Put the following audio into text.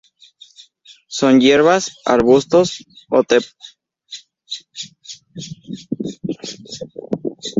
Son hierbas, arbustos o trepadoras escandentes.